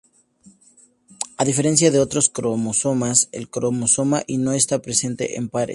A diferencia de otros cromosomas, el cromosoma Y no está presente en pares.